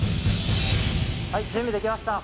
はい準備できました。